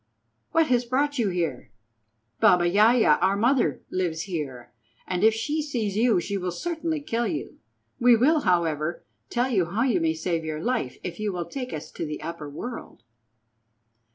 "What has brought you here? Baba Yaja, our mother, lives here, and if she sees you she will certainly kill you. We will, however, tell you how you may save your life if you will take us to the upper world."